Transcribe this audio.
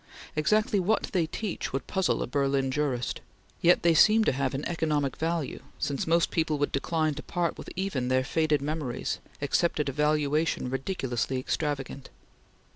Exactly what they teach would puzzle a Berlin jurist; yet they seem to have an economic value, since most people would decline to part with even their faded memories except at a valuation ridiculously extravagant.